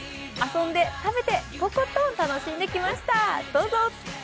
遊んで、食べて、とことん楽しんできました、どうぞ。